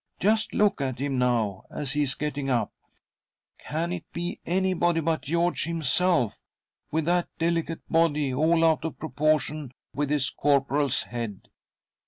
Just look at him now; as he is getting up. Can it be anybody but George himself, "with that delicate body all out of proportion with his corporal's head